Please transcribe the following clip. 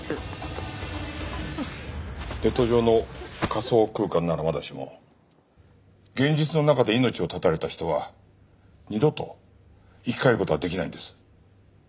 ネット上の仮想空間ならまだしも現実の中で命を絶たれた人は二度と生き返る事はできないんです。